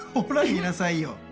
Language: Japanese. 見なさいよ